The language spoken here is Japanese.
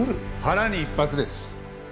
腹に１発です。